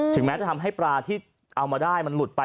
แม้จะทำให้ปลาที่เอามาได้มันหลุดไป